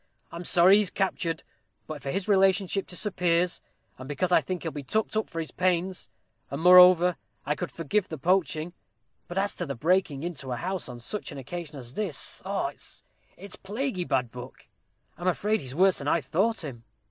I'm sorry he's captured, for his relationship to Sir Piers, and because I think he'll be tucked up for his pains; and, moreover, I could forgive the poaching; but as to the breaking into a house on such an occasion as this, och! It's a plaguy bad look. I'm afraid he's worse than I thought him."